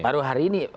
baru hari ini